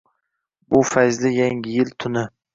Shu fayzli yangi yil tuni.